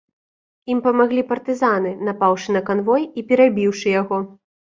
Ім памаглі партызаны, напаўшы на канвой і перабіўшы яго.